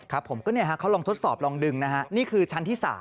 ครับผมก็เขาลองทดสอบลองดึงนะฮะนี่คือชั้นที่๓